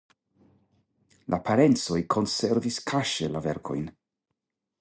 La parencoj konservis kaŝe la verkojn.